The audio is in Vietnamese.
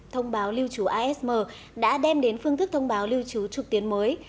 thông báo lưu trú asm đã đem đến phương thức thông báo lưu trú trục tiến mới